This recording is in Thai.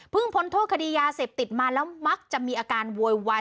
พ้นโทษคดียาเสพติดมาแล้วมักจะมีอาการโวยวาย